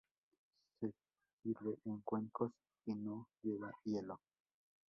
Se sirve en cuencos y no lleva hielo.